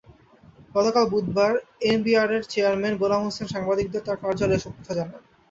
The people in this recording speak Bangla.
গতকাল বুধবার এনবিআরের চেয়ারম্যান গোলাম হোসেন সাংবাদিকদের তাঁর কার্যালয়ে এসব কথা জানান।